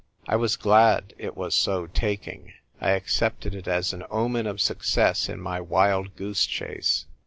I was glad it was so taking. I accepted it as an omen of success in my wild goose chase.